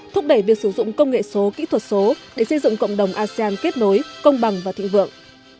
thúc đẩy việc sử dụng công nghệ số kỹ thuật số để xây dựng cộng đồng asean kết nối công bằng và thịnh vượng